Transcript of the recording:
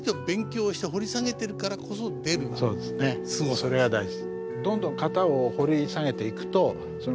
それが大事。